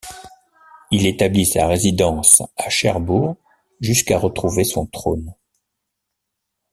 Il établit sa résidence à Cherbourg jusqu'à retrouver son trône.